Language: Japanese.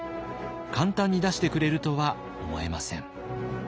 簡単に出してくれるとは思えません。